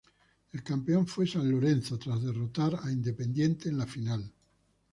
El campeón fue San Lorenzo tras derrotar a Independiente en la final.